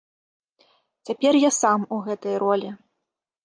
Цяпер я сам у гэтай ролі.